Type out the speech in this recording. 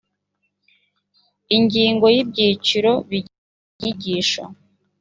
ingingo y’byiciro bigize inyigisho